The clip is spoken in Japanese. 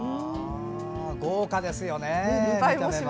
豪華ですよね。